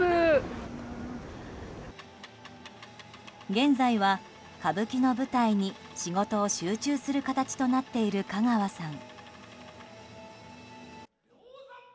現在は歌舞伎の舞台に仕事を集中する形となっている香川さん。